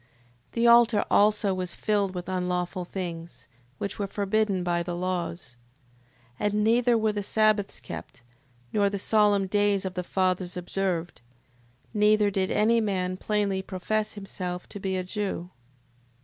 6:5. The altar also was filled with unlawful things, which were forbidden by the laws. 6:6. And neither were the sabbaths kept, nor the solemn days of the fathers observed, neither did any man plainly profess himself to be a Jew.